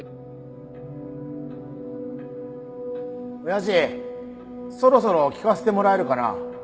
親父そろそろ聞かせてもらえるかな。